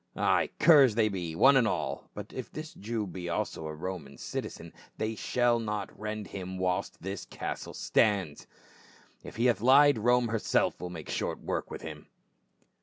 Ay, curs they be, one and all ; but if this Jew be also a Roman citizen they shall not rend him whilst this castle stands. A PROMISE AND A VOW. 5»5 If he hath lied, Rome herself will make short work with him."